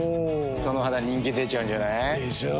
その肌人気出ちゃうんじゃない？でしょう。